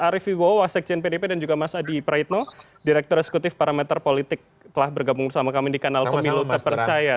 arief ibo wasekjen pdp dan juga mas adi praitno direktur eksekutif parameter politik telah bergabung bersama kami di kanal pemilu terpercaya